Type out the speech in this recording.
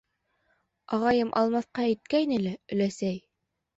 Ағайым алмаҫҡа иткәйне лә, өләсәй: